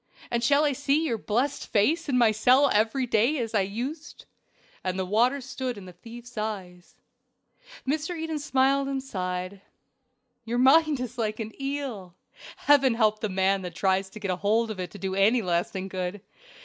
and shall I see your blessed face in my cell every day as I used?" And the water stood in the thief's eyes. Mr. Eden smiled and sighed. "Your mind is like an eel Heaven help the man that tries to get hold of it to do it any lasting good.